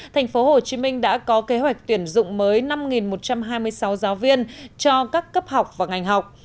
thành phố hồ chí minh đã có kế hoạch tuyển dụng mới năm một trăm hai mươi sáu giáo viên cho các cấp học và ngành học